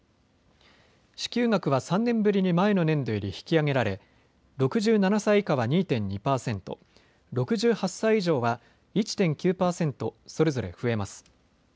支給額は３年ぶりに前の年度より引き上げられ６７歳以下は２．２％、６８歳以上は１．９％それぞれ増えます。